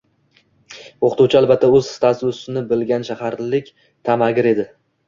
Oʻqituvchi albatta oʻz statusini bilgan shaharlik taʼmagir edi.